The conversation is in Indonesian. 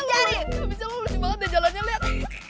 nggak bisa lu lu luci banget deh jalannya liat